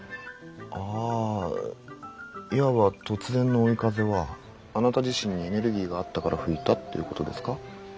ああいわば突然の追い風はあなた自身にエネルギーがあったから吹いたっていうことですか？